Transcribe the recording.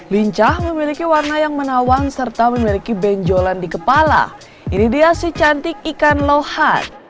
lincah memiliki warna yang menawan serta memiliki benjolan di kepala ini dia si cantik ikan lohan